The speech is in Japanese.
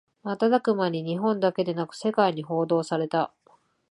瞬く間に日本だけでなく世界に報道された